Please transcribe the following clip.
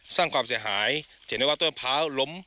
สร้างความเสียหายเห็นได้ว่าต้นพร้าวล้ม